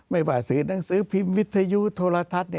ไม่ว่าสื่อหนังสือพิมพ์วิทยุโทรทัศน์